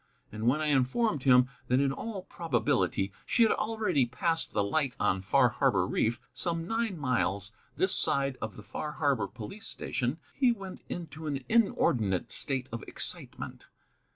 And when I informed him that in all probability she had already passed the light on Far Harbor reef, some nine miles this side of the Far Harbor police station, he went into an inordinate state of excitement.